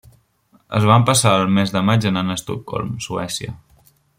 Es van passar el mes de maig anant a Estocolm, Suècia.